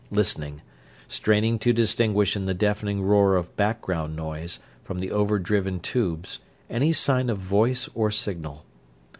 Listening straining to distinguish in the deafening roar of background noise from the over driven tubes any sign of voice or signal.